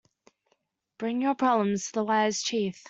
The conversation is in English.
Bring your problems to the wise chief.